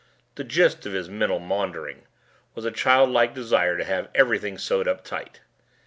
The gist of his mental maundering was a childlike desire to have everything sewed up tight.